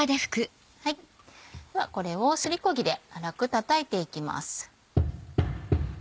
ではこれをすりこ木で粗くたたいていきます。